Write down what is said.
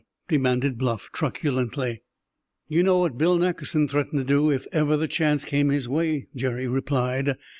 demanded Bluff truculently. "You know what Bill Nackerson threatened to do if ever the chance came his way," Jerry replied.